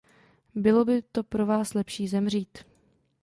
Bylo by to pro vás lepší zemřít.